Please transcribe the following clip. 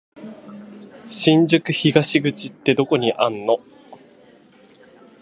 新宿東口ってどこにあんの？